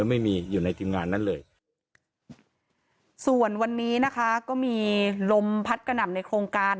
ไม่มีอยู่ในทีมงานนั้นเลยส่วนวันนี้นะคะก็มีลมพัดกระหน่ำในโครงการ